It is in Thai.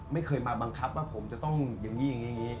ไม่เคยมาบังคับว่าผมจะต้องอย่างนี้